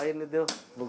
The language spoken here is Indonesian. ini tuh bagus